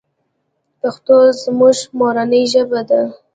پښتو زموږ مورنۍ ژبه ده.